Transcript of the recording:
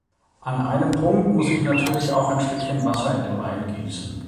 An einem Punkt muss ich natürlich auch ein Schlückchen Wasser in den Wein gießen.